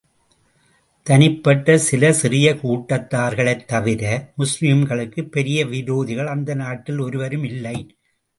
தனிப்பட்ட சில சிறிய கூட்டத்தார்களைத் தவிர, முஸ்லிம்களுக்குப் பெரிய விரோதிகள் அந்த நாட்டில் ஒருவரும் இல்லை.